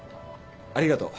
ありがとう。